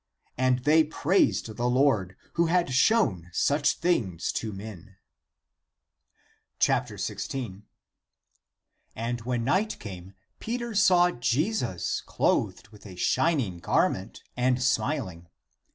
And they praised the Lord, who had shown such things to men. 1 6. When the night came, Peter saw Jesus clothed with a shining garment, smiling.